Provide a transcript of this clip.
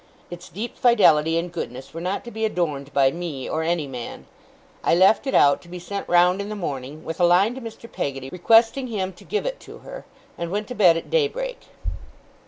Its deep fidelity and goodness were not to be adorned by me or any man. I left it out, to be sent round in the morning; with a line to Mr. Peggotty, requesting him to give it to her; and went to bed at daybreak.